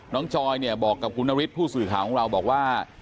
จอยเนี่ยบอกกับคุณนฤทธิ์ผู้สื่อข่าวของเราบอกว่า